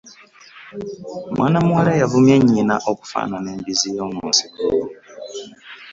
Mwana muwala yavumye nnyina okufaanana embizzi y'omunsiko